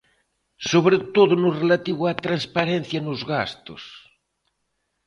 Sobre todo no relativo á transparencia nos gastos.